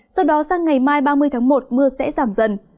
sau đó sang ngày mai ba mươi tháng một mưa sẽ giảm dần